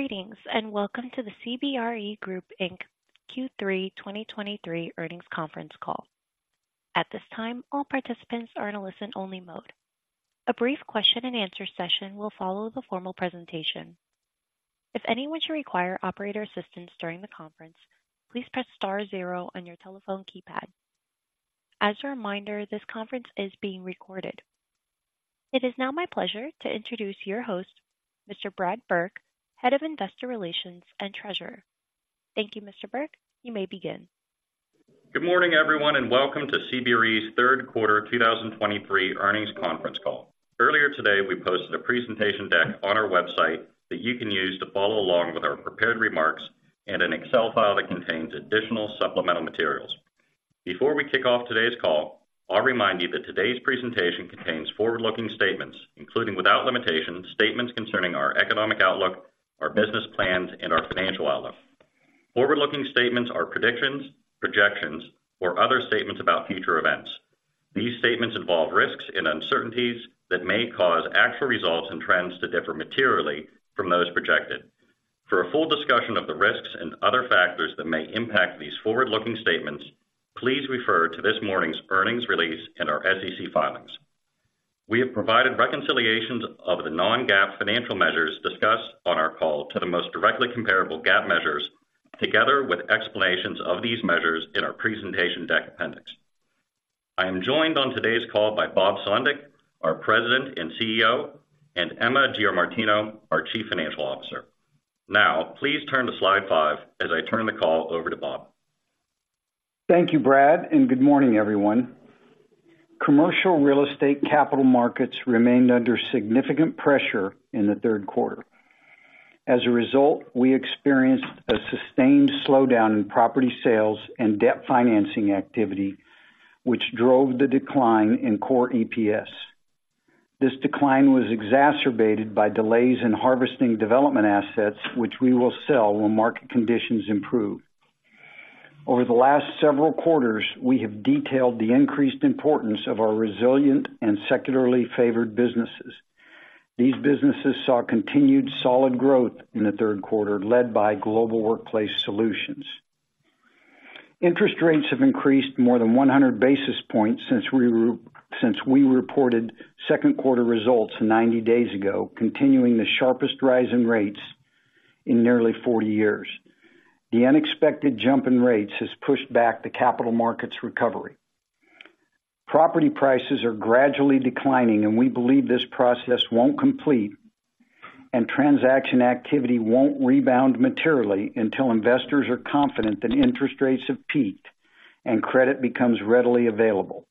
Greetings, and welcome to the CBRE Group Inc Q3 2023 Earnings Conference Call. At this time, all participants are in a listen-only mode. A brief question and answer session will follow the formal presentation. If anyone should require operator assistance during the conference, please press star zero on your telephone keypad. As a reminder, this conference is being recorded. It is now my pleasure to introduce your host, Mr. Brad Burke, Head of Investor Relations and Treasurer. Thank you, Mr. Burke. You may begin. Good morning, everyone, and welcome to CBRE's Third Quarter 2023 Earnings Conference Call. Earlier today, we posted a presentation deck on our website that you can use to follow along with our prepared remarks and an Excel file that contains additional supplemental materials. Before we kick off today's call, I'll remind you that today's presentation contains forward-looking statements, including, without limitation, statements concerning our economic outlook, our business plans, and our financial outlook. Forward-looking statements are predictions, projections, or other statements about future events. These statements involve risks and uncertainties that may cause actual results and trends to differ materially from those projected. For a full discussion of the risks and other factors that may impact these forward-looking statements, please refer to this morning's earnings release and our SEC filings. We have provided reconciliations of the non-GAAP financial measures discussed on our call to the most directly comparable GAAP measures, together with explanations of these measures in our presentation deck appendix. I am joined on today's call by Bob Sulentic, our President and CEO, and Emma Giamartino, our Chief Financial Officer. Now, please turn to slide five as I turn the call over to Bob. Thank you, Brad, and good morning, everyone. Commercial real estate capital markets remained under significant pressure in the third quarter. As a result, we experienced a sustained slowdown in property sales and debt financing activity, which drove the decline in core EPS. This decline was exacerbated by delays in harvesting development assets, which we will sell when market conditions improve. Over the last several quarters, we have detailed the increased importance of our resilient and secularly favored businesses. These businesses saw continued solid growth in the third quarter, led by Global Workplace Solutions. Interest rates have increased more than 100 basis points since we reported second quarter results 90 days ago, continuing the sharpest rise in rates in nearly 40 years. The unexpected jump in rates has pushed back the capital markets recovery. Property prices are gradually declining, and we believe this process won't complete, and transaction activity won't rebound materially until investors are confident that interest rates have peaked and credit becomes readily available.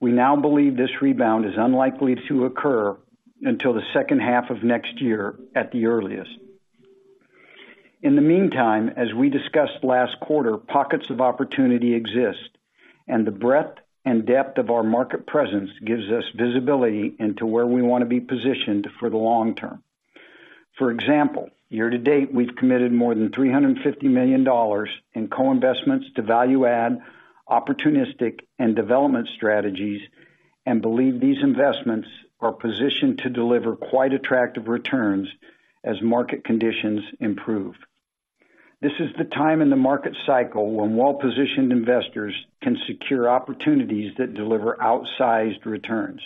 We now believe this rebound is unlikely to occur until the second half of next year at the earliest. In the meantime, as we discussed last quarter, pockets of opportunity exist, and the breadth and depth of our market presence gives us visibility into where we want to be positioned for the long term. For example, year to date, we've committed more than $350 million in co-investments to value-add, opportunistic and development strategies, and believe these investments are positioned to deliver quite attractive returns as market conditions improve. This is the time in the market cycle when well-positioned investors can secure opportunities that deliver outsized returns.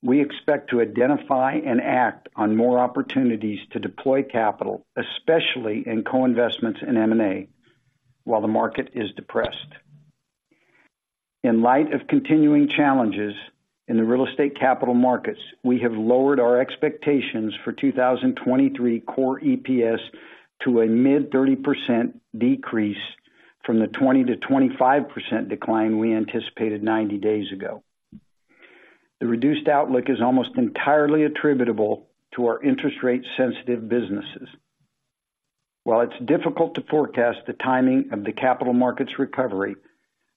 We expect to identify and act on more opportunities to deploy capital, especially in co-investments in M&A, while the market is depressed. In light of continuing challenges in the real estate capital markets, we have lowered our expectations for 2023 core EPS to a mid-30% decrease from the 20%-25% decline we anticipated 90 days ago. The reduced outlook is almost entirely attributable to our interest rate-sensitive businesses. While it's difficult to forecast the timing of the capital markets recovery,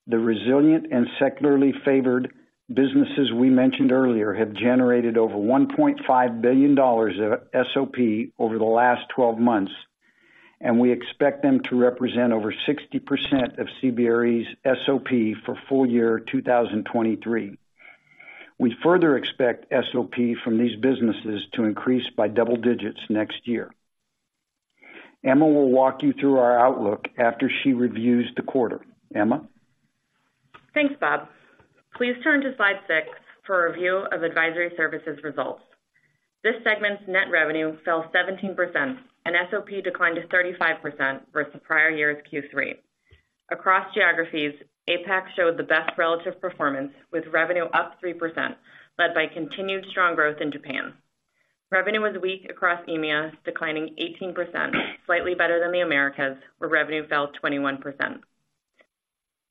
the resilient and secularly favored businesses we mentioned earlier have generated over $1.5 billion of SOP over the last 12 months, and we expect them to represent over 60% of CBRE's SOP for full year 2023. We further expect SOP from these businesses to increase by double digits next year. Emma will walk you through our outlook after she reviews the quarter. Emma? Thanks, Bob. Please turn to slide six for a review of Advisory Services results. This segment's net revenue fell 17%, and SOP declined to 35% versus the prior year's Q3. Across geographies, APAC showed the best relative performance, with revenue up 3%, led by continued strong growth in Japan. Revenue was weak across EMEA, declining 18%, slightly better than the Americas, where revenue fell 21%.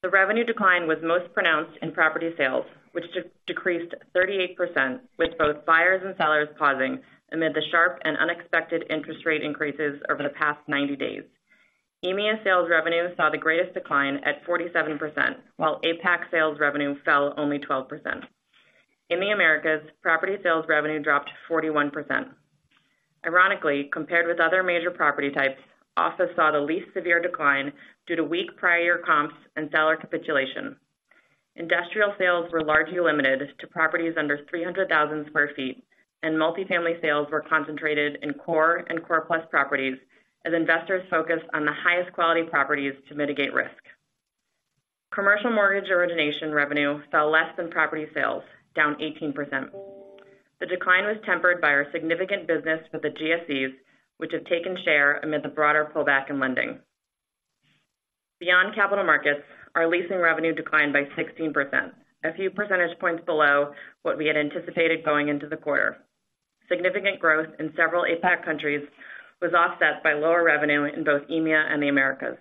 The revenue decline was most pronounced in property sales, which decreased 38%, with both buyers and sellers pausing amid the sharp and unexpected interest rate increases over the past 90 days. EMEA sales revenue saw the greatest decline at 47%, while APAC sales revenue fell only 12%. In the Americas, property sales revenue dropped 41%. Ironically, compared with other major property types, office saw the least severe decline due to weak prior comps and seller capitulation. Industrial sales were largely limited to properties under 300,000 sq ft, and multifamily sales were concentrated in core and core-plus properties as investors focused on the highest quality properties to mitigate risk. Commercial mortgage origination revenue fell less than property sales, down 18%. The decline was tempered by our significant business with the GSEs, which have taken share amid the broader pullback in lending. Beyond capital markets, our leasing revenue declined by 16%, a few percentage points below what we had anticipated going into the quarter. Significant growth in several APAC countries was offset by lower revenue in both EMEA and the Americas.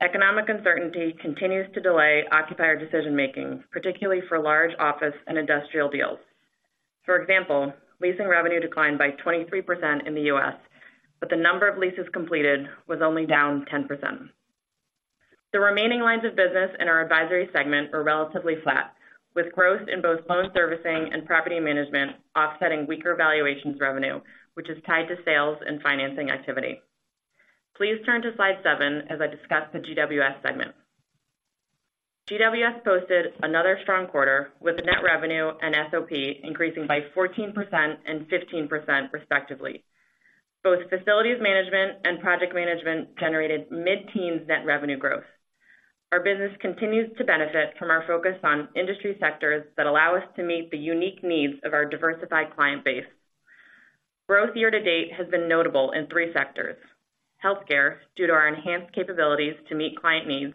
Economic uncertainty continues to delay occupier decision-making, particularly for large office and industrial deals. For example, leasing revenue declined by 23% in the U.S., but the number of leases completed was only down 10%. The remaining lines of business in our Advisory segment are relatively flat, with growth in both loan servicing and property management offsetting weaker valuations revenue, which is tied to sales and financing activity. Please turn to slide seven as I discuss the GWS segment. GWS posted another strong quarter, with net revenue and SOP increasing by 14% and 15%, respectively. Both facilities management and project management generated mid-teens net revenue growth. Our business continues to benefit from our focus on industry sectors that allow us to meet the unique needs of our diversified client base. Growth year-to-date has been notable in three sectors: healthcare, due to our enhanced capabilities to meet client needs;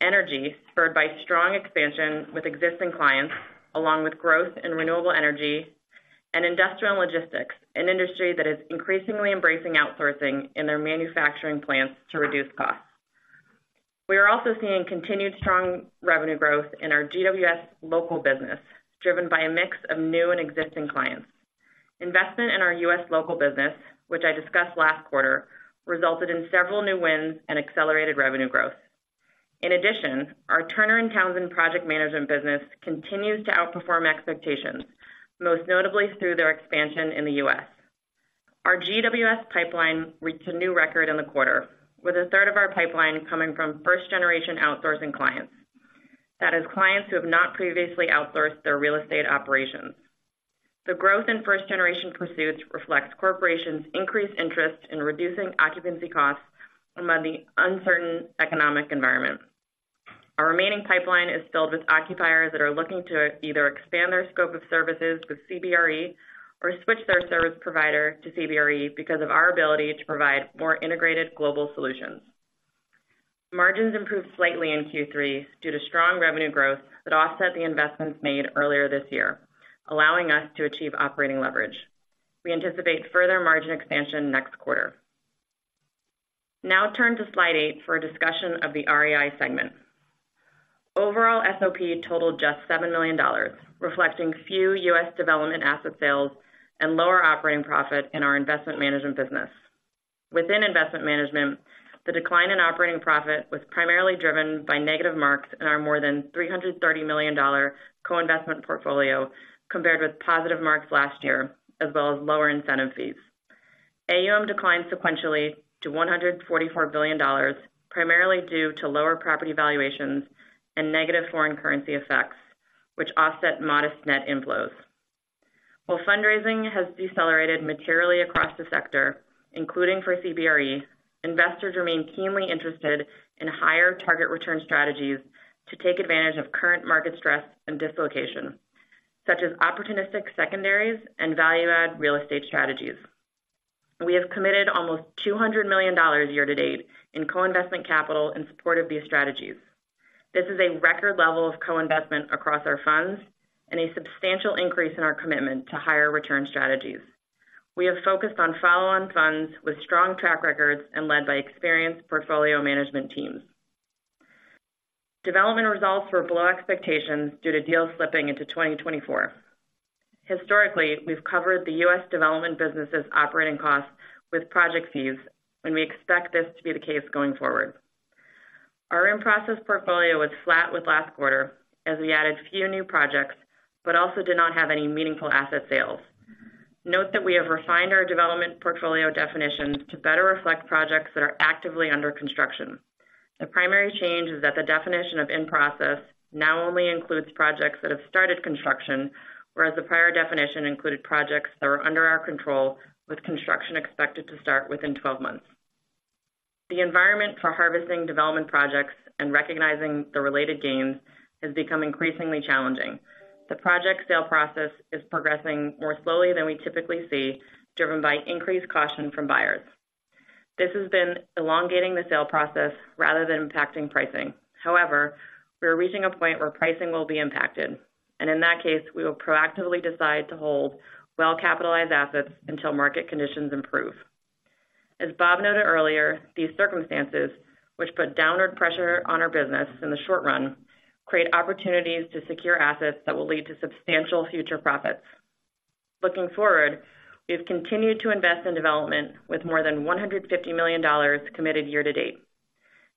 energy, spurred by strong expansion with existing clients, along with growth in renewable energy; and industrial logistics, an industry that is increasingly embracing outsourcing in their manufacturing plants to reduce costs. We are also seeing continued strong revenue growth in our GWS Local business, driven by a mix of new and existing clients. Investment in our U.S. local business, which I discussed last quarter, resulted in several new wins and accelerated revenue growth. In addition, our Turner & Townsend project management business continues to outperform expectations, most notably through their expansion in the U.S. Our GWS pipeline reached a new record in the quarter, with a third of our pipeline coming from first-generation outsourcing clients. That is, clients who have not previously outsourced their real estate operations. The growth in first-generation pursuits reflects corporations' increased interest in reducing occupancy costs amid the uncertain economic environment. Our remaining pipeline is filled with occupiers that are looking to either expand their scope of services with CBRE or switch their service provider to CBRE because of our ability to provide more integrated global solutions. Margins improved slightly in Q3 due to strong revenue growth that offset the investments made earlier this year, allowing us to achieve operating leverage. We anticipate further margin expansion next quarter. Now turn to slide eight for a discussion of the REI segment. Overall, SOP totaled just $7 million, reflecting few U.S. development asset sales and lower operating profit in our investment management business. Within investment management, the decline in operating profit was primarily driven by negative marks in our more than $330 million co-investment portfolio, compared with positive marks last year, as well as lower incentive fees. AUM declined sequentially to $144 billion, primarily due to lower property valuations and negative foreign currency effects, which offset modest net inflows. While fundraising has decelerated materially across the sector, including for CBRE, investors remain keenly interested in higher target return strategies to take advantage of current market stress and dislocation, such as opportunistic secondaries and value-add real estate strategies. We have committed almost $200 million year-to-date in co-investment capital in support of these strategies. This is a record level of co-investment across our funds and a substantial increase in our commitment to higher return strategies. We have focused on follow-on funds with strong track records and led by experienced portfolio management teams. Development results were below expectations due to deals slipping into 2024. Historically, we've covered the U.S. development business's operating costs with project fees, and we expect this to be the case going forward. Our in-process portfolio was flat with last quarter as we added few new projects, but also did not have any meaningful asset sales. Note that we have refined our development portfolio definitions to better reflect projects that are actively under construction. The primary change is that the definition of in-process now only includes projects that have started construction, whereas the prior definition included projects that were under our control, with construction expected to start within 12 months. The environment for harvesting development projects and recognizing the related gains has become increasingly challenging. The project sale process is progressing more slowly than we typically see, driven by increased caution from buyers. This has been elongating the sale process rather than impacting pricing. However, we are reaching a point where pricing will be impacted, and in that case, we will proactively decide to hold well-capitalized assets until market conditions improve. As Bob noted earlier, these circumstances, which put downward pressure on our business in the short run, create opportunities to secure assets that will lead to substantial future profits. Looking forward, we've continued to invest in development with more than $150 million committed year to date.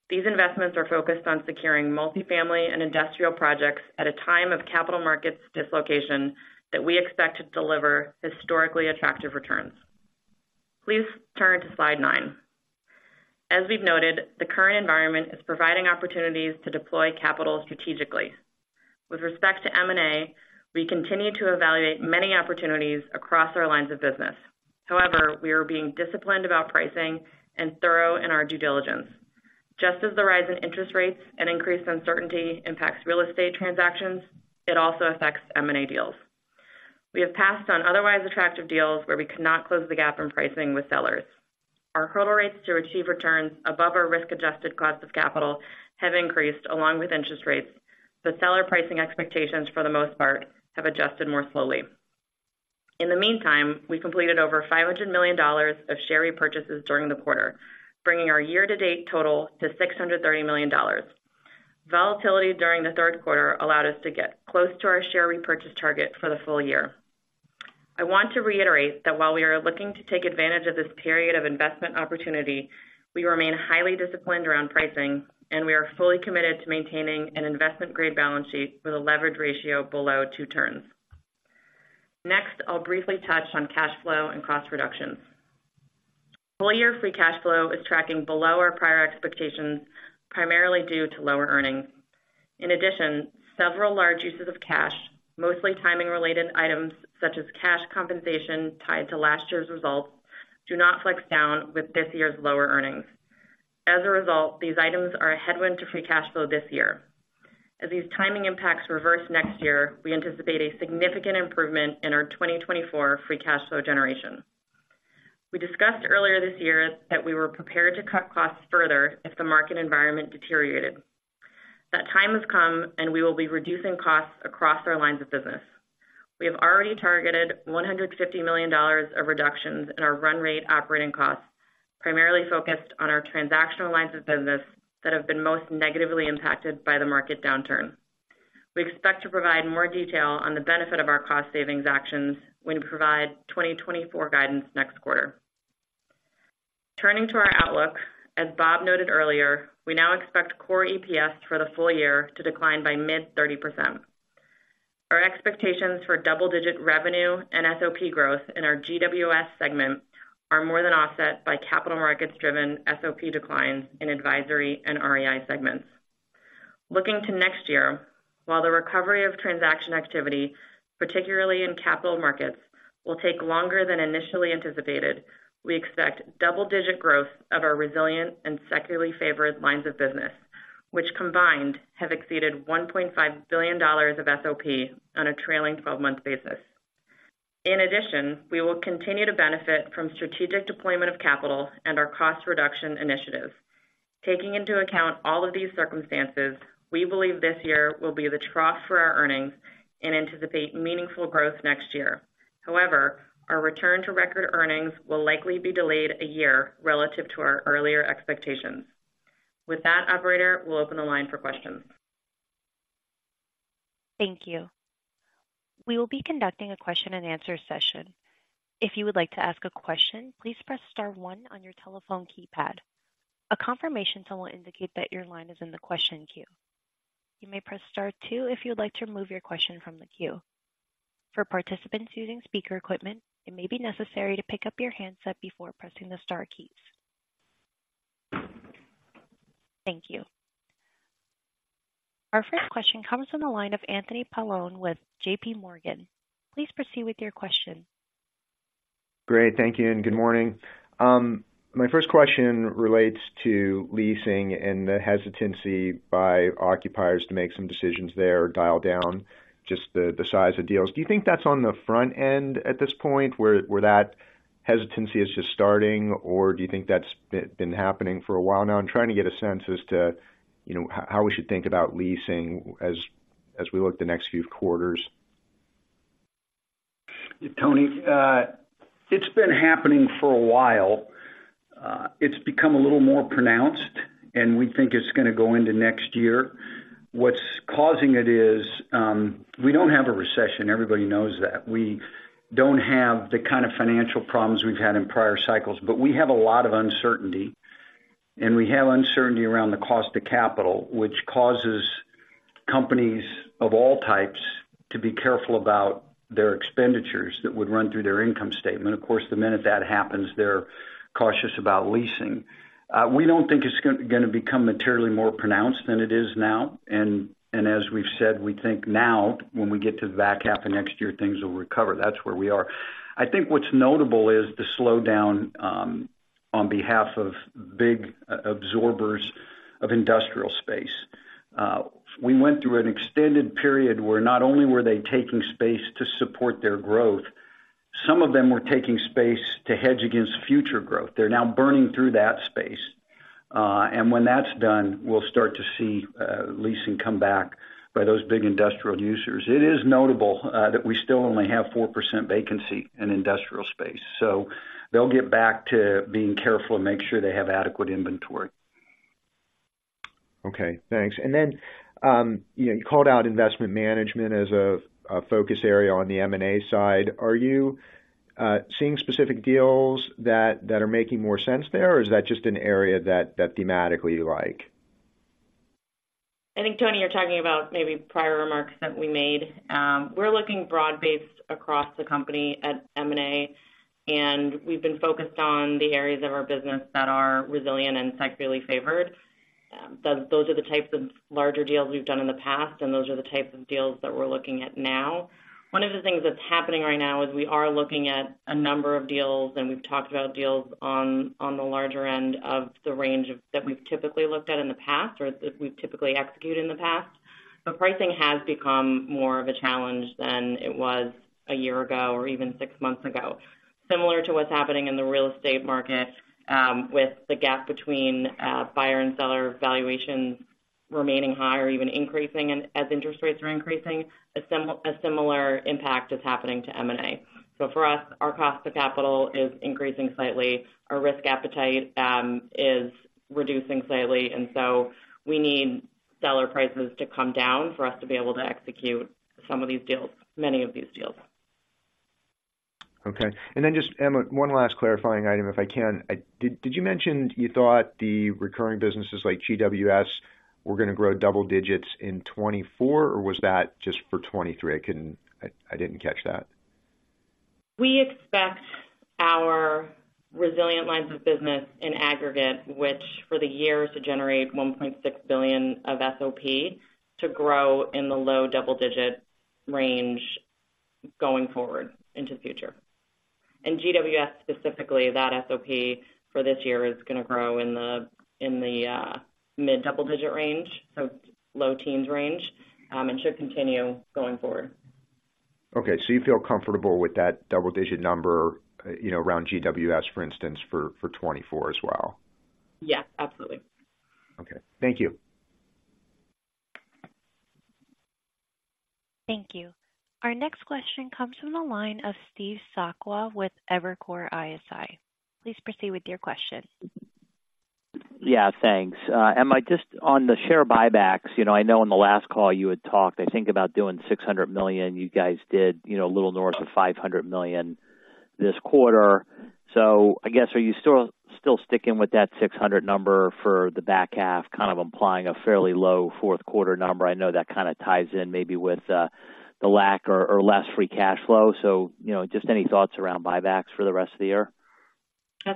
These investments are focused on securing multifamily and industrial projects at a time of capital markets dislocation that we expect to deliver historically attractive returns. Please turn to slide nine. As we've noted, the current environment is providing opportunities to deploy capital strategically. With respect to M&A, we continue to evaluate many opportunities across our lines of business. However, we are being disciplined about pricing and thorough in our due diligence. Just as the rise in interest rates and increased uncertainty impacts real estate transactions, it also affects M&A deals. We have passed on otherwise attractive deals where we could not close the gap in pricing with sellers. Our hurdle rates to achieve returns above our risk-adjusted cost of capital have increased along with interest rates, but seller pricing expectations, for the most part, have adjusted more slowly. In the meantime, we completed over $500 million of share repurchases during the quarter, bringing our year-to-date total to $630 million. Volatility during the third quarter allowed us to get close to our share repurchase target for the full year. I want to reiterate that while we are looking to take advantage of this period of investment opportunity, we remain highly disciplined around pricing, and we are fully committed to maintaining an investment-grade balance sheet with a leverage ratio below two turns. Next, I'll briefly touch on cash flow and cost reductions. Full-year free cash flow is tracking below our prior expectations, primarily due to lower earnings. In addition, several large uses of cash, mostly timing-related items such as cash compensation tied to last year's results, do not flex down with this year's lower earnings. As a result, these items are a headwind to free cash flow this year. As these timing impacts reverse next year, we anticipate a significant improvement in our 2024 free cash flow generation. We discussed earlier this year that we were prepared to cut costs further if the market environment deteriorated. That time has come, and we will be reducing costs across our lines of business. We have already targeted $150 million of reductions in our run rate operating costs, primarily focused on our transactional lines of business that have been most negatively impacted by the market downturn. We expect to provide more detail on the benefit of our cost savings actions when we provide 2024 guidance next quarter. Turning to our outlook, as Bob noted earlier, we now expect core EPS for the full year to decline by mid-30%. Our expectations for double-digit revenue and SOP growth in our GWS segment are more than offset by capital markets-driven SOP declines in Advisory and REI segments. Looking to next year, while the recovery of transaction activity, particularly in capital markets, will take longer than initially anticipated, we expect double-digit growth of our resilient and secularly favored lines of business, which combined, have exceeded $1.5 billion of SOP on a trailing twelve-month basis. In addition, we will continue to benefit from strategic deployment of capital and our cost reduction initiatives. Taking into account all of these circumstances, we believe this year will be the trough for our earnings and anticipate meaningful growth next year. However, our return to record earnings will likely be delayed a year relative to our earlier expectations. With that, operator, we'll open the line for questions. Thank you. We will be conducting a question-and-answer session. If you would like to ask a question, please press star one on your telephone keypad. A confirmation tone will indicate that your line is in the question queue. You may press star two if you'd like to remove your question from the queue. For participants using speaker equipment, it may be necessary to pick up your handset before pressing the star keys. Thank you. Our first question comes from the line of Anthony Paolone with J.P. Morgan. Please proceed with your question. Great. Thank you, and good morning. My first question relates to leasing and the hesitancy by occupiers to make some decisions there or dial down just the size of deals. Do you think that's on the front end at this point, where that hesitancy is just starting, or do you think that's been happening for a while now? I'm trying to get a sense as to, you know, how we should think about leasing as we look the next few quarters. Tony, it's been happening for a while. It's become a little more pronounced, and we think it's going to go into next year. What's causing it is, we don't have a recession. Everybody knows that. We don't have the kind of financial problems we've had in prior cycles, but we have a lot of uncertainty, and we have uncertainty around the cost of capital, which causes companies of all types to be careful about their expenditures that would run through their income statement. Of course, the minute that happens, they're cautious about leasing. We don't think it's gonna become materially more pronounced than it is now, and, and as we've said, we think now, when we get to the back half of next year, things will recover. That's where we are. I think what's notable is the slowdown, on behalf of big absorbers of industrial space. We went through an extended period where not only were they taking space to support their growth, some of them were taking space to hedge against future growth. They're now burning through that space, and when that's done, we'll start to see leasing come back by those big industrial users. It is notable that we still only have 4% vacancy in industrial space, so they'll get back to being careful and make sure they have adequate inventory. Okay, thanks. And then, you know, you called out investment management as a focus area on the M&A side. Are you seeing specific deals that are making more sense there, or is that just an area that thematically you like? I think, Tony, you're talking about maybe prior remarks that we made. We're looking broad-based across the company at M&A, and we've been focused on the areas of our business that are resilient and cyclically favored. Those are the types of larger deals we've done in the past, and those are the types of deals that we're looking at now. One of the things that's happening right now is we are looking at a number of deals, and we've talked about deals on the larger end of the range of that we've typically looked at in the past or that we've typically executed in the past. But pricing has become more of a challenge than it was a year ago or even six months ago. Similar to what's happening in the real estate market, with the gap between buyer and seller valuations remaining high or even increasing, and as interest rates are increasing, a similar impact is happening to M&A. So for us, our cost of capital is increasing slightly. Our risk appetite is reducing slightly, and so we need seller prices to come down for us to be able to execute some of these deals, many of these deals. Okay. And then just, Emma, one last clarifying item, if I can. Did you mention you thought the recurring businesses like GWS were gonna grow double digits in 2024, or was that just for 2023? I couldn't. I didn't catch that. We expect our resilient lines of business in aggregate, which for the year is to generate $1.6 billion of SOP, to grow in the low double-digit range going forward into the future. And GWS, specifically, that SOP for this year is gonna grow in the mid-double-digit range, so low teens range, and should continue going forward. Okay, so you feel comfortable with that double-digit number, you know, around GWS, for instance, for 2024 as well? Yes, absolutely. Okay. Thank you. Thank you. Our next question comes from the line of Steve Sakwa with Evercore ISI. Please proceed with your question. Yeah, thanks. Emma, just on the share buybacks, you know, I know in the last call you had talked, I think, about doing $600 million. You guys did, you know, a little north of $500 million this quarter. So I guess, are you still, still sticking with that $600 million number for the back half, kind of implying a fairly low fourth quarter number? I know that kind of ties in maybe with, the lack or, or less free cash flow. So, you know, just any thoughts around buybacks for the rest of the year?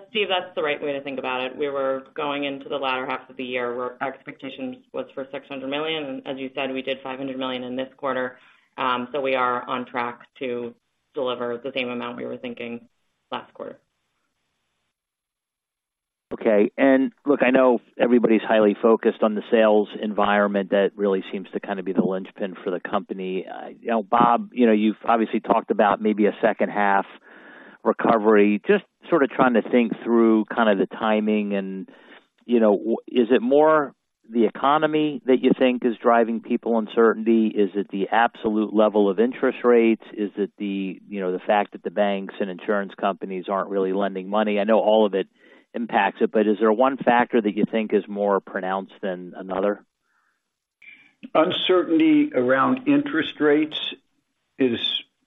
Steve, that's the right way to think about it. We were going into the latter half of the year, where our expectations was for $600 million, and as you said, we did $500 million in this quarter. So we are on track to deliver the same amount we were thinking last quarter. Okay. And look, I know everybody's highly focused on the sales environment. That really seems to kind of be the linchpin for the company. You know, Bob, you know, you've obviously talked about maybe a second half recovery. Just sort of trying to think through kind of the timing and, you know, is it more the economy that you think is driving people uncertainty? Is it the absolute level of interest rates? Is it the, you know, the fact that the banks and insurance companies aren't really lending money? I know all of it impacts it, but is there one factor that you think is more pronounced than another? Uncertainty around interest rates is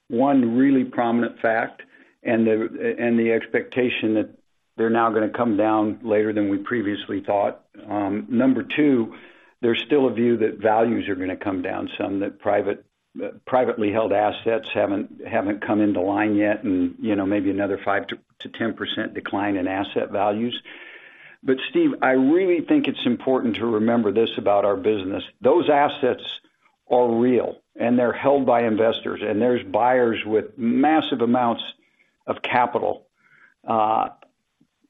one really prominent fact, and the and the expectation that they're now gonna come down later than we previously thought. Number two, there's still a view that values are gonna come down, some that private privately held assets haven't haven't come into line yet, and, you know, maybe another 5%-10% decline in asset values. But Steve, I really think it's important to remember this about our business: Those assets are real, and they're held by investors, and there's buyers with massive amounts of capital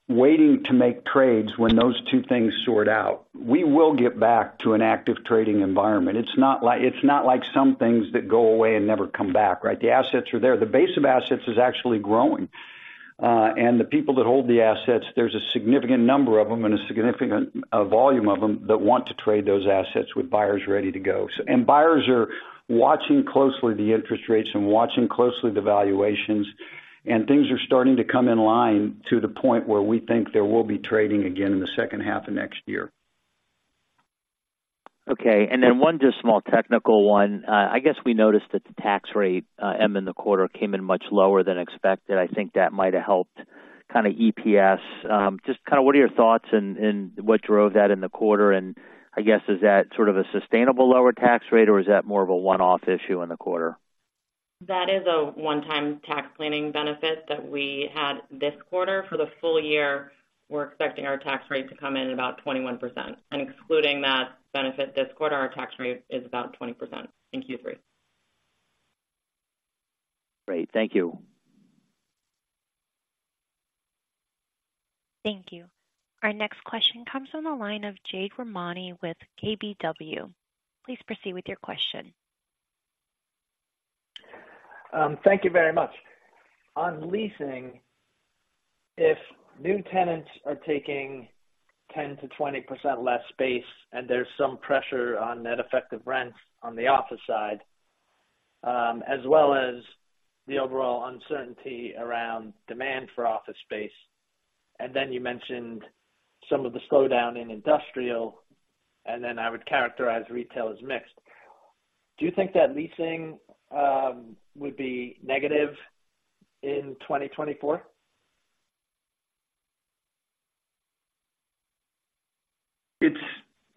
waiting to make trades when those two things sort out. We will get back to an active trading environment. It's not like, it's not like some things that go away and never come back, right? The assets are there. The base of assets is actually growing. And the people that hold the assets, there's a significant number of them and a significant, volume of them that want to trade those assets with buyers ready to go. And buyers are watching closely the interest rates and watching closely the valuations, and things are starting to come in line to the point where we think there will be trading again in the second half of next year. Okay. And then one just small technical one. I guess we noticed that the tax rate, Emma, in the quarter came in much lower than expected. I think that might have helped kind of EPS. Just kind of what are your thoughts and, and what drove that in the quarter? And I guess, is that sort of a sustainable lower tax rate, or is that more of a one-off issue in the quarter? That is a one-time tax planning benefit that we had this quarter. For the full year, we're expecting our tax rate to come in about 21%. Excluding that benefit this quarter, our tax rate is about 20% in Q3. Great. Thank you. Thank you. Our next question comes from the line of Jade Rahmani with KBW. Please proceed with your question. Thank you very much. On leasing, if new tenants are taking 10%-20% less space, and there's some pressure on net effective rents on the office side, as well as the overall uncertainty around demand for office space, and then you mentioned some of the slowdown in industrial, and then I would characterize retail as mixed. Do you think that leasing would be negative in 2024?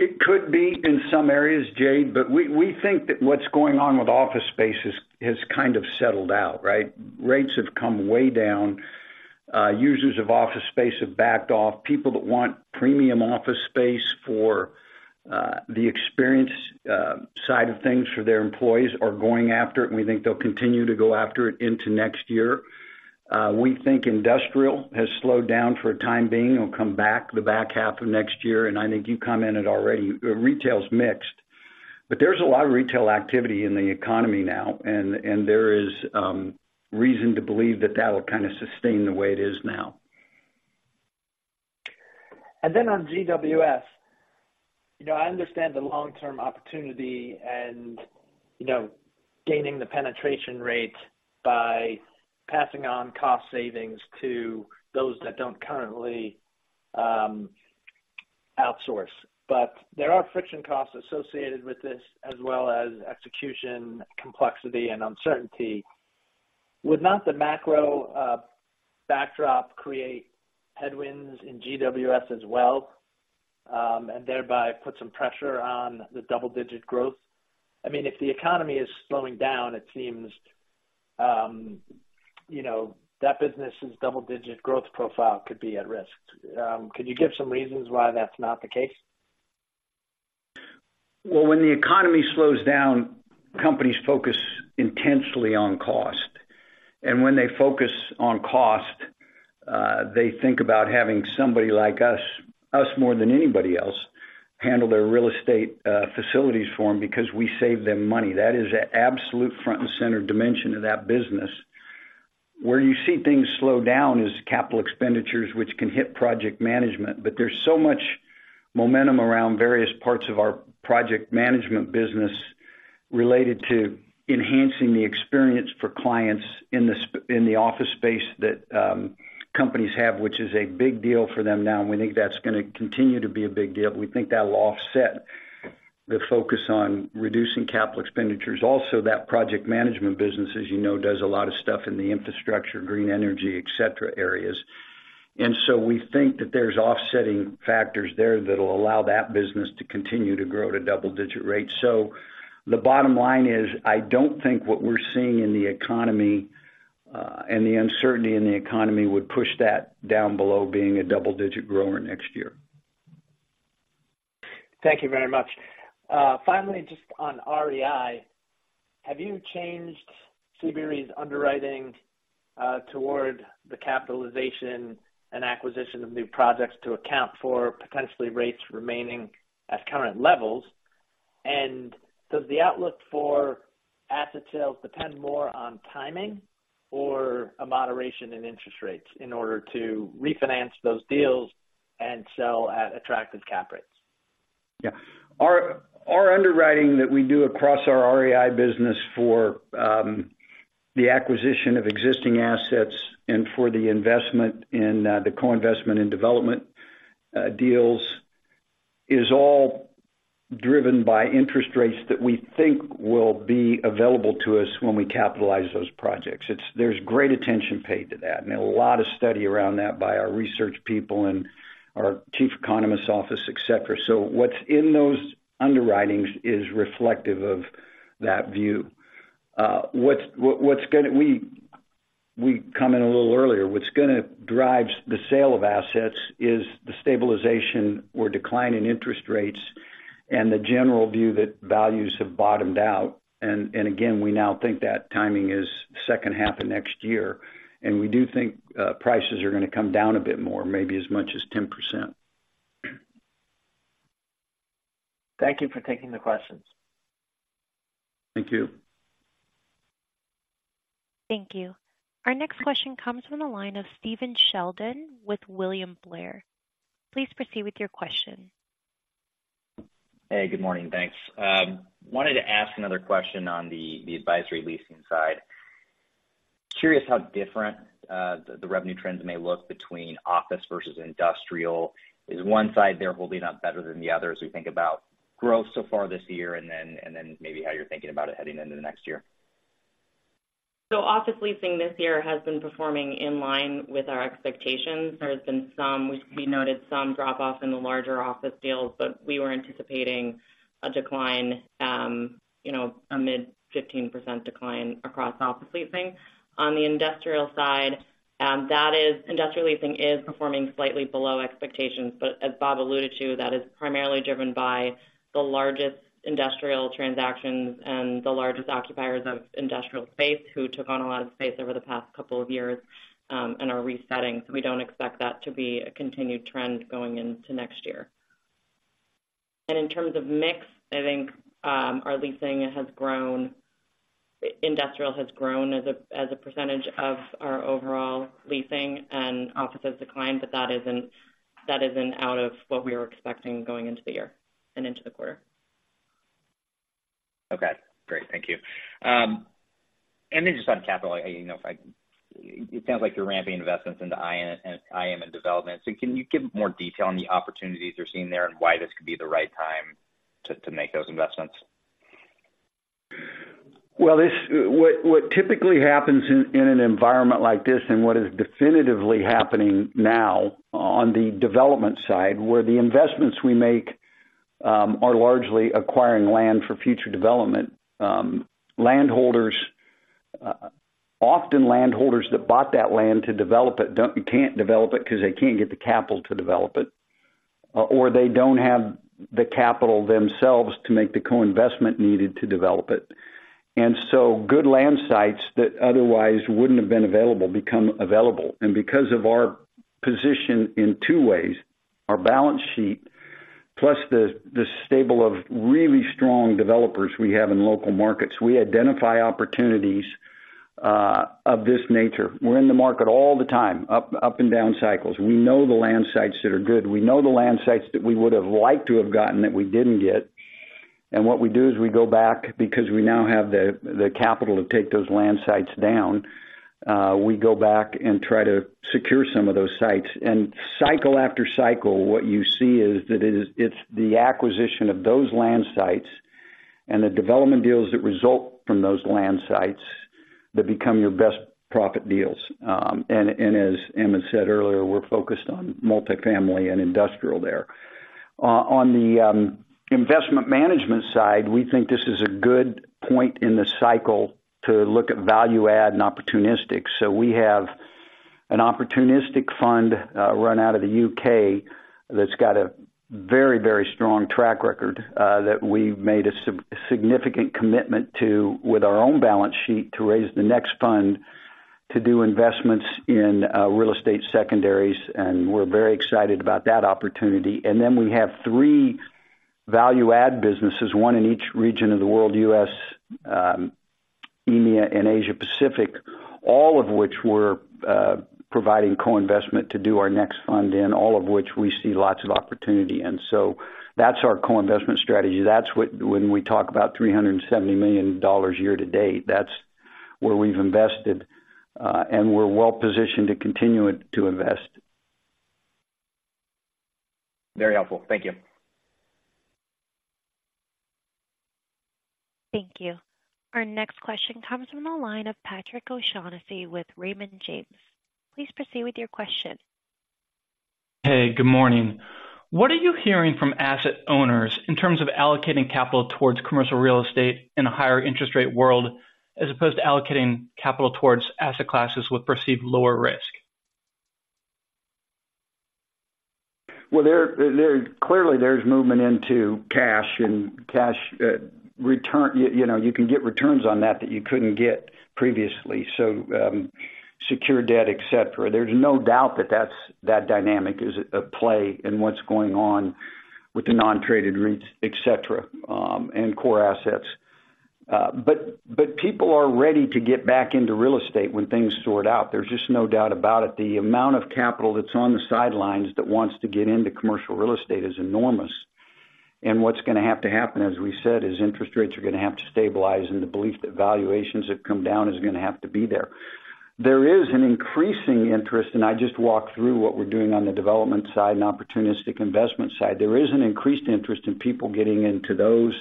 It could be in some areas, Jade, but we think that what's going on with office space has kind of settled out, right? Rates have come way down. Users of office space have backed off. People that want premium office space for the experience side of things for their employees are going after it, and we think they'll continue to go after it into next year. We think industrial has slowed down for a time being. It'll come back the back half of next year, and I think you commented already, retail's mixed. But there's a lot of retail activity in the economy now, and there is reason to believe that that will kind of sustain the way it is now. And then on GWS, you know, I understand the long-term opportunity and, you know, gaining the penetration rate by passing on cost savings to those that don't currently outsource. But there are friction costs associated with this as well as execution, complexity, and uncertainty. Would not the macro backdrop create headwinds in GWS as well, and thereby put some pressure on the double-digit growth? I mean, if the economy is slowing down, it seems, you know, that business's double-digit growth profile could be at risk. Can you give some reasons why that's not the case? Well, when the economy slows down, companies focus intensely on cost. And when they focus on cost, they think about having somebody like us, us more than anybody else, handle their real estate, facilities for them because we save them money. That is an absolute front and center dimension of that business. Where you see things slow down is capital expenditures, which can hit project management. But there's so much momentum around various parts of our project management business related to enhancing the experience for clients in the office space that companies have, which is a big deal for them now, and we think that's gonna continue to be a big deal. We think that'll offset the focus on reducing capital expenditures. Also, that project management business, as you know, does a lot of stuff in the infrastructure, green energy, et cetera, areas. And so we think that there's offsetting factors there that'll allow that business to continue to grow at a double-digit rate. So the bottom line is, I don't think what we're seeing in the economy, and the uncertainty in the economy would push that down below being a double-digit grower next year. Thank you very much. Finally, just on REI, have you changed CBRE's underwriting toward the capitalization and acquisition of new projects to account for potentially rates remaining at current levels? And does the outlook for asset sales depend more on timing or a moderation in interest rates in order to refinance those deals and sell at attractive cap rates? Yeah. Our underwriting that we do across our REI business for the acquisition of existing assets and for the investment in the co-investment in development deals is all driven by interest rates that we think will be available to us when we capitalize those projects. It's. There's great attention paid to that, and a lot of study around that by our research people and our chief economist's office, et cetera. So what's in those underwritings is reflective of that view. We commented a little earlier, what's gonna drive the sale of assets is the stabilization or decline in interest rates and the general view that values have bottomed out. And again, we now think that timing is second half of next year, and we do think prices are gonna come down a bit more, maybe as much as 10%. Thank you for taking the questions. Thank you. Thank you. Our next question comes from the line of Stephen Sheldon with William Blair. Please proceed with your question. Hey, good morning, thanks. Wanted to ask another question on the Advisory leasing side. Curious how different the revenue trends may look between office versus industrial. Is one side there holding up better than the other as we think about growth so far this year, and then maybe how you're thinking about it heading into the next year? So office leasing this year has been performing in line with our expectations. There has been, we noted some drop off in the larger office deals, but we were anticipating a decline, you know, a mid-15% decline across office leasing. On the industrial side, that is, industrial leasing is performing slightly below expectations, but as Bob alluded to, that is primarily driven by the largest industrial transactions and the largest occupiers of industrial space, who took on a lot of space over the past couple of years, and are resetting. So we don't expect that to be a continued trend going into next year. In terms of mix, I think, our leasing has grown, industrial has grown as a percentage of our overall leasing and office has declined, but that isn't out of what we were expecting going into the year and into the quarter. Okay, great. Thank you. And then just on capital, you know, it sounds like you're ramping investments into [IN] and IM and development. So can you give more detail on the opportunities you're seeing there and why this could be the right time to make those investments? Well, what typically happens in an environment like this and what is definitively happening now on the development side, where the investments we make are largely acquiring land for future development. Landholders, often landholders that bought that land to develop it can't develop it because they can't get the capital to develop it, or they don't have the capital themselves to make the co-investment needed to develop it. And so good land sites that otherwise wouldn't have been available become available. And because of our position in two ways, our balance sheet plus the stable of really strong developers we have in local markets, we identify opportunities of this nature. We're in the market all the time, up and down cycles. We know the land sites that are good. We know the land sites that we would have liked to have gotten, that we didn't get. What we do is we go back because we now have the capital to take those land sites down, we go back and try to secure some of those sites. Cycle after cycle, what you see is that it's the acquisition of those land sites and the development deals that result from those land sites that become your best profit deals. And as Emma said earlier, we're focused on multifamily and industrial there. On the investment management side, we think this is a good point in the cycle to look at value-add and opportunistic. So we have an opportunistic fund, run out of the U.K. that's got a very, very strong track record, that we've made a significant commitment to, with our own balance sheet, to raise the next fund to do investments in, real estate secondaries, and we're very excited about that opportunity. And then we have three value-add businesses, one in each region of the world: U.S., EMEA, and Asia Pacific, all of which we're providing co-investment to do our next fund in, all of which we see lots of opportunity. And so that's our co-investment strategy. That's what, when we talk about $370 million year to date, that's where we've invested, and we're well positioned to continue it, to invest. Very helpful. Thank you. Thank you. Our next question comes from the line of Patrick O'Shaughnessy with Raymond James. Please proceed with your question. Hey, good morning. What are you hearing from asset owners in terms of allocating capital towards commercial real estate in a higher interest rate world, as opposed to allocating capital towards asset classes with perceived lower risk? Well, clearly, there's movement into cash and cash return. You know, you can get returns on that that you couldn't get previously, so, secure debt, et cetera. There's no doubt that that's that dynamic is at play in what's going on with the non-traded REITs, et cetera, and core assets. But people are ready to get back into real estate when things sort out. There's just no doubt about it. The amount of capital that's on the sidelines that wants to get into commercial real estate is enormous. And what's gonna have to happen, as we said, is interest rates are gonna have to stabilize, and the belief that valuations have come down is gonna have to be there. There is an increasing interest, and I just walked through what we're doing on the development side and opportunistic investment side. There is an increased interest in people getting into those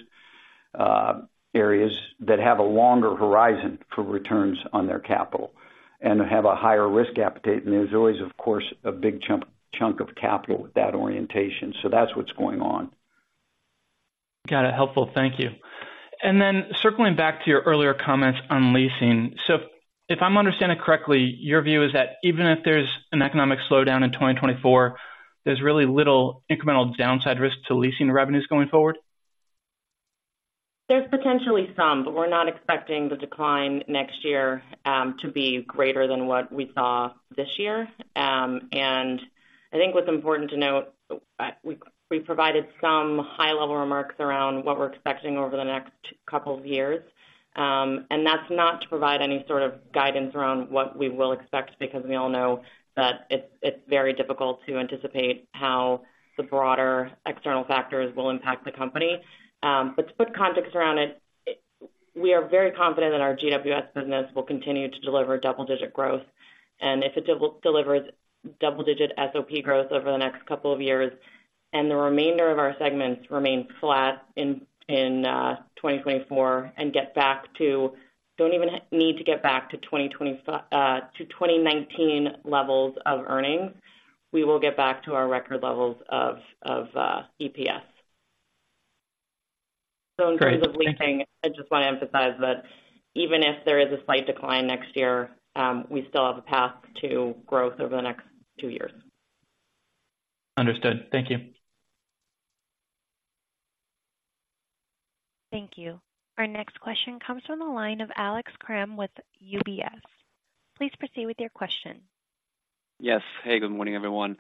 areas that have a longer horizon for returns on their capital and have a higher risk appetite. And there's always, of course, a big chunk of capital with that orientation. So that's what's going on. Got it. Helpful. Thank you. And then circling back to your earlier comments on leasing. So if I'm understanding correctly, your view is that even if there's an economic slowdown in 2024, there's really little incremental downside risk to leasing revenues going forward? There's potentially some, but we're not expecting the decline next year to be greater than what we saw this year. I think what's important to note, we provided some high-level remarks around what we're expecting over the next couple of years. That's not to provide any sort of guidance around what we will expect, because we all know that it's very difficult to anticipate how the broader external factors will impact the company. But to put context around it, we are very confident that our GWS business will continue to deliver double-digit growth, and if it delivers double-digit SOP growth over the next couple of years, and the remainder of our segments remain flat in 2024 and get back to. Don't even need to get back to 2019 levels of earnings, we will get back to our record levels of EPS. Great, thank you. In terms of leasing, I just want to emphasize that even if there is a slight decline next year, we still have a path to growth over the next two years. Understood. Thank you. Thank you. Our next question comes from the line of Alex Kramm with UBS. Please proceed with your question. Yes. Hey, good morning, everyone.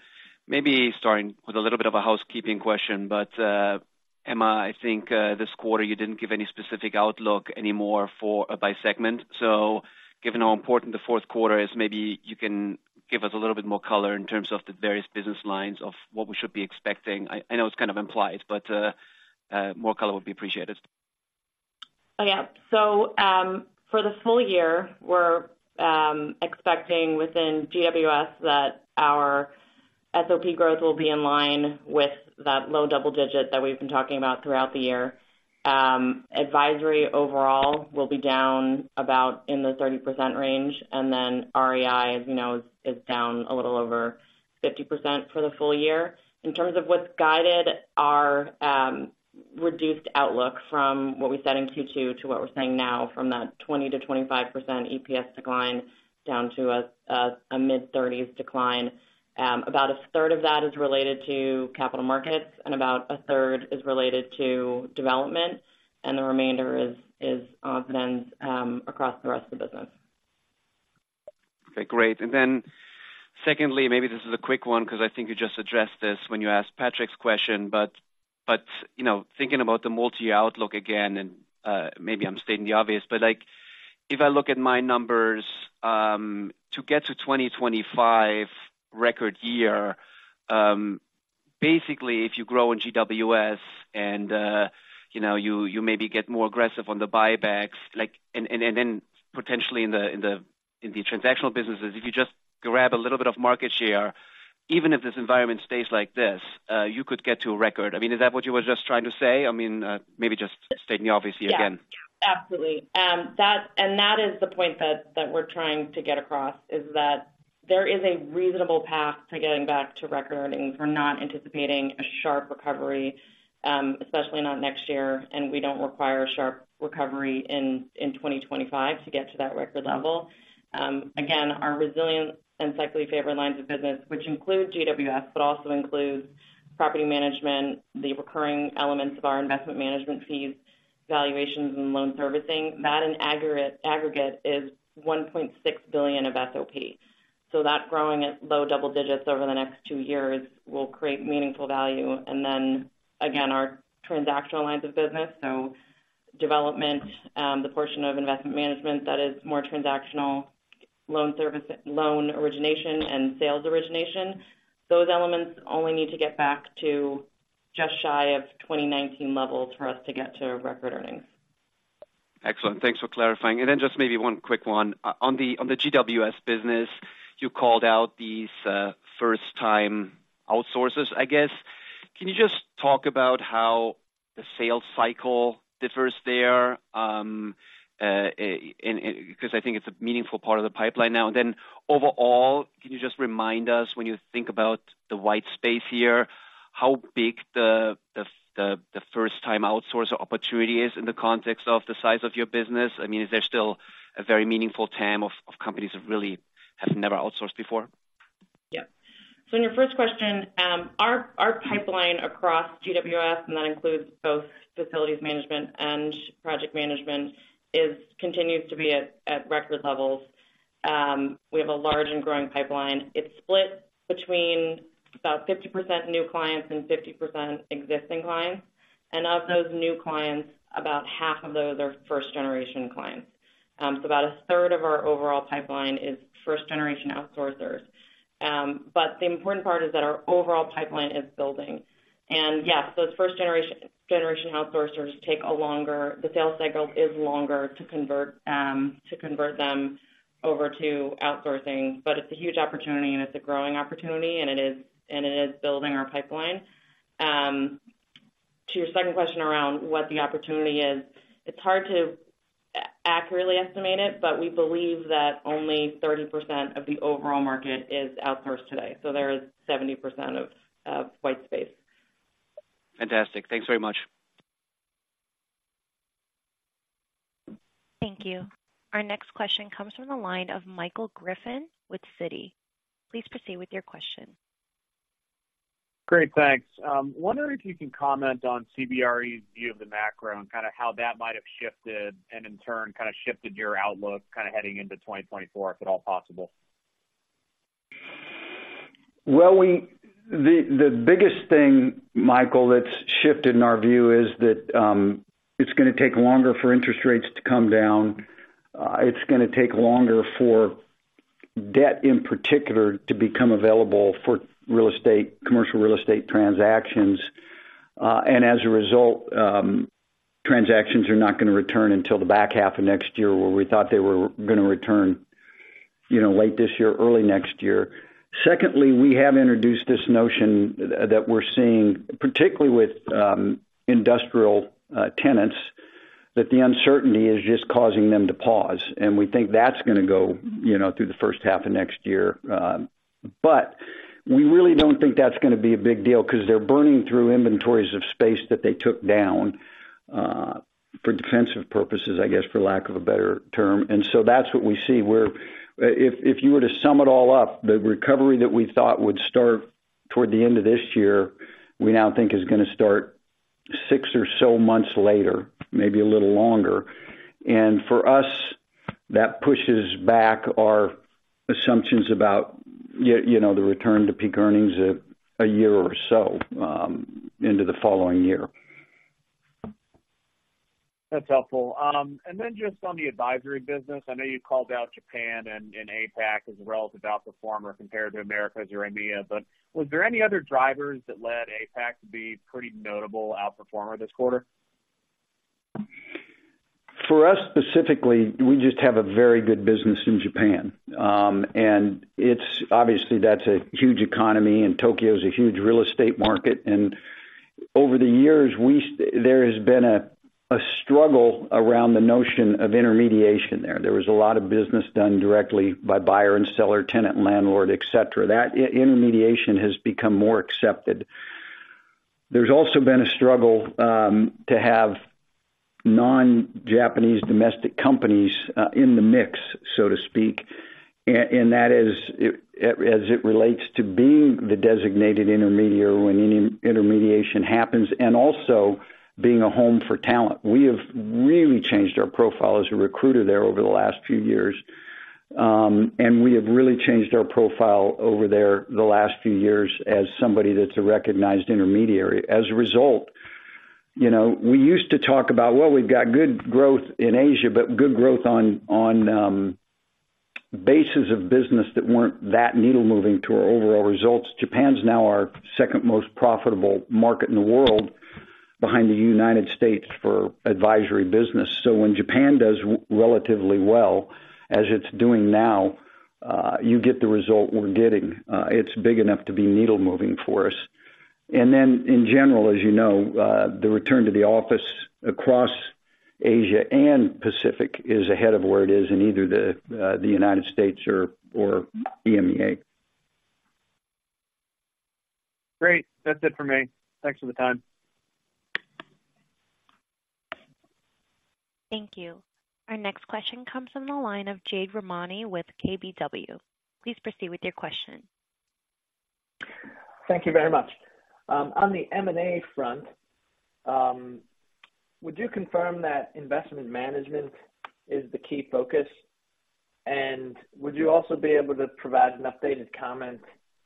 Maybe starting with a little bit of a housekeeping question, but Emma, I think this quarter, you didn't give any specific outlook anymore for by segment. So given how important the fourth quarter is, maybe you can give us a little bit more color in terms of the various business lines of what we should be expecting. I, I know it's kind of implied, but more color would be appreciated. Oh, yeah. So, for the full year, we're expecting within GWS that our SOP growth will be in line with that low double-digit that we've been talking about throughout the year. Advisory overall will be down about in the 30% range, and then REI, as you know, is down a little over 50% for the full year. In terms of what's guided our reduced outlook from what we said in Q2 to what we're saying now, from that 20%-25% EPS decline down to a mid-30s decline. About a third of that is related to capital markets, and about a third is related to development, and the remainder is then across the rest of the business. Okay, great. And then secondly, maybe this is a quick one because I think you just addressed this when you asked Patrick's question. But, you know, thinking about the multi year outlook again, and, maybe I'm stating the obvious, but, like, if I look at my numbers, to get to 2025 record year, basically, if you grow in GWS and, you know, you maybe get more aggressive on the buybacks, like, and then potentially in the transactional businesses, if you just grab a little bit of market share, even if this environment stays like this, you could get to a record. I mean, is that what you were just trying to say? I mean, maybe just stating the obvious here again. Yeah. Absolutely. That and that is the point that we're trying to get across, is that there is a reasonable path to getting back to record earnings. We're not anticipating a sharp recovery, especially not next year, and we don't require a sharp recovery in 2025 to get to that record level. Again, our resilience and secularly favored lines of business, which include GWS, but also includes property management, the recurring elements of our investment management fees, valuations, and loan servicing, that in aggregate is $1.6 billion of SOP. So that growing at low double digits over the next two years will create meaningful value. Our transactional lines of business, so development, the portion of investment management that is more transactional, loan origination and sales origination, those elements only need to get back to just shy of 2019 levels for us to get to record earnings. Excellent. Thanks for clarifying. Then just maybe one quick one. On the GWS business, you called out these first-time outsourcers, I guess. Can you just talk about how the sales cycle differs there? And because I think it's a meaningful part of the pipeline now. And then overall, can you just remind us, when you think about the white space here, how big the first-time outsourcer opportunity is in the context of the size of your business? I mean, is there still a very meaningful TAM of companies that really have never outsourced before? Yeah. In your first question, our pipeline across GWS, and that includes both facilities management and project management, continues to be at record levels. We have a large and growing pipeline. It's split between about 50% new clients and 50% existing clients. Of those new clients, about half of those are first-generation clients. So about a third of our overall pipeline is first-generation outsourcers. The important part is that our overall pipeline is building. Yes, those first-generation outsourcers take a longer—the sales cycle is longer to convert, to convert them over to outsourcing, but it's a huge opportunity, and it's a growing opportunity, and it is building our pipeline. To your second question around what the opportunity is, it's hard to accurately estimate it, but we believe that only 30% of the overall market is outsourced today, so there is 70% of, of white space. Fantastic. Thanks very much. Thank you. Our next question comes from the line of Michael Griffin with Citi. Please proceed with your question. Great, thanks. Wondering if you can comment on CBRE's view of the macro and kind of how that might have shifted and in turn, kind of shifted your outlook kind of heading into 2024, if at all possible? Well, the biggest thing, Michael, that's shifted in our view is that it's gonna take longer for interest rates to come down. It's gonna take longer for debt, in particular, to become available for real estate—commercial real estate transactions. And as a result, transactions are not gonna return until the back half of next year, where we thought they were gonna return, you know, late this year, early next year. Secondly, we have introduced this notion that we're seeing, particularly with industrial tenants, that the uncertainty is just causing them to pause, and we think that's gonna go, you know, through the first half of next year. But we really don't think that's gonna be a big deal because they're burning through inventories of space that they took down for defensive purposes, I guess, for lack of a better term. And so that's what we see, where if you were to sum it all up, the recovery that we thought would start toward the end of this year, we now think is gonna start six or so months later, maybe a little longer. And for us, that pushes back our assumptions about you know, the return to peak earnings a year or so into the following year. That's helpful. And then just on the Advisory business, I know you called out Japan and APAC as a relative outperformer compared to Americas or EMEA, but was there any other drivers that led APAC to be pretty notable outperformer this quarter? For us specifically, we just have a very good business in Japan. And it's obviously that's a huge economy, and Tokyo is a huge real estate market. And over the years, there has been a struggle around the notion of intermediation there. There was a lot of business done directly by buyer and seller, tenant, landlord, et cetera. That intermediation has become more accepted. There's also been a struggle to have non-Japanese domestic companies in the mix, so to speak, and that is, as it relates to being the designated intermediary when any intermediation happens and also being a home for talent. We have really changed our profile as a recruiter there over the last few years. And we have really changed our profile over there the last few years as somebody that's a recognized intermediary. As a result, you know, we used to talk about, well, we've got good growth in Asia, but good growth on bases of business that weren't that needle-moving to our overall results. Japan's now our second most profitable market in the world, behind the United States, for Advisory business. So when Japan does relatively well, as it's doing now, you get the result we're getting. It's big enough to be needle-moving for us. And then, in general, as you know, the return to the office across Asia and Pacific is ahead of where it is in either the United States or EMEA. Great. That's it for me. Thanks for the time. Thank you. Our next question comes from the line of Jade Rahmani with KBW. Please proceed with your question. Thank you very much. On the M&A front, would you confirm that investment management is the key focus? And would you also be able to provide an updated comment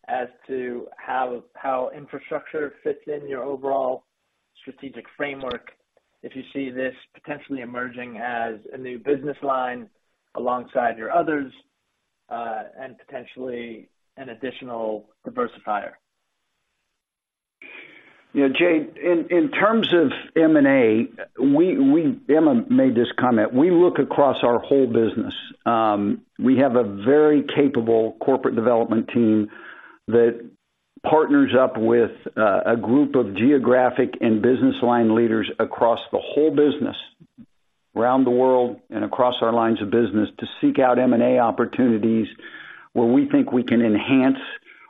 as to how infrastructure fits in your overall strategic framework, if you see this potentially emerging as a new business line alongside your others, and potentially an additional diversifier? You know, Jade, in terms of M&A, we, Emma made this comment. We look across our whole business. We have a very capable corporate development team that partners up with a group of geographic and business line leaders across the whole business, around the world and across our lines of business, to seek out M&A opportunities where we think we can enhance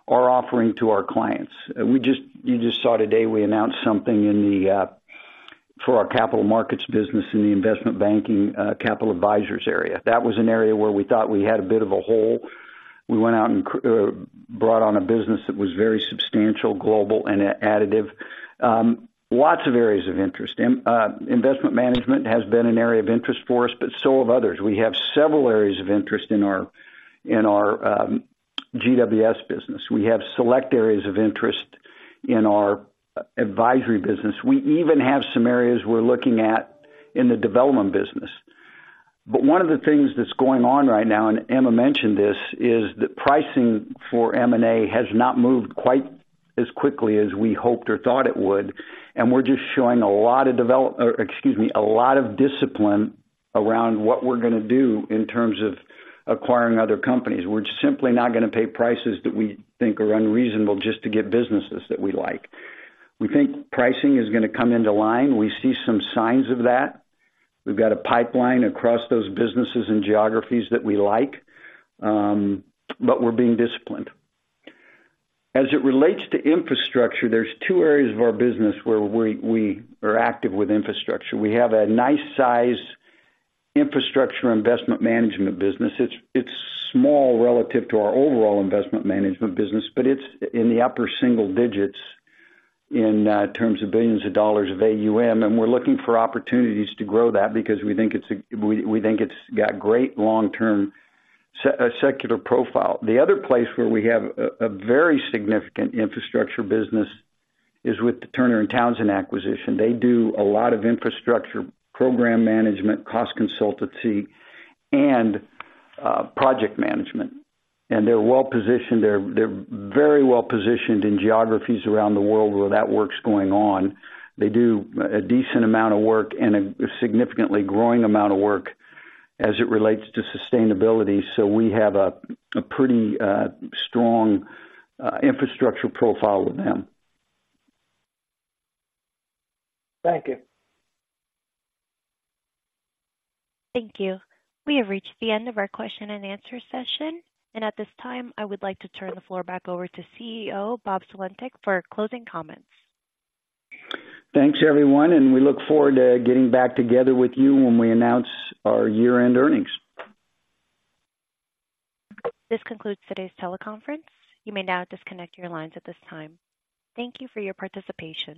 our offering to our clients. You just saw today, we announced something in the for our capital markets business in the investment banking Capital Advisors area. That was an area where we thought we had a bit of a hole. We went out and brought on a business that was very substantial, global, and additive. Lots of areas of interest. In investment management has been an area of interest for us, but so have others. We have several areas of interest in our GWS business. We have select areas of interest in our Advisory business. We even have some areas we're looking at in the development business. But one of the things that's going on right now, and Emma mentioned this, is that pricing for M&A has not moved quite as quickly as we hoped or thought it would, and we're just showing a lot of develop- or excuse me, a lot of discipline around what we're gonna do in terms of acquiring other companies. We're just simply not gonna pay prices that we think are unreasonable just to get businesses that we like. We think pricing is gonna come into line. We see some signs of that. We've got a pipeline across those businesses and geographies that we like, but we're being disciplined. As it relates to infrastructure, there's two areas of our business where we are active with infrastructure. We have a nice size infrastructure investment management business. It's small relative to our overall investment management business, but it's in the upper single digits in terms of $ billions of AUM, and we're looking for opportunities to grow that because we think it's got great long-term secular profile. The other place where we have a very significant infrastructure business is with the Turner & Townsend acquisition. They do a lot of infrastructure program management, cost consultancy, and project management, and they're well positioned. They're very well positioned in geographies around the world where that work's going on. They do a decent amount of work and a significantly growing amount of work as it relates to sustainability. So we have a pretty strong infrastructure profile with them. Thank you. Thank you. We have reached the end of our question and answer session, and at this time, I would like to turn the floor back over to CEO, Bob Sulentic, for closing comments. Thanks, everyone, and we look forward to getting back together with you when we announce our year-end earnings. This concludes today's teleconference. You may now disconnect your lines at this time. Thank you for your participation.